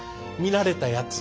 慣れたやつ。